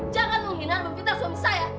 jangan menghinar dan meminta suami saya